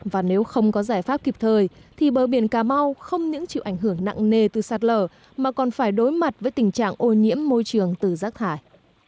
và nếu không có giải pháp kịp thời thì bờ biển cà mau không những chịu ảnh hưởng nặng nề từ sạt lở mà còn phải đối mặt với tình trạng ô nhiễm môi trường từ rác thải